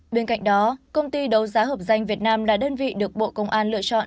bên cạnh đó công ty đấu giá hợp danh việt nam là đơn vị được bộ công an lựa chọn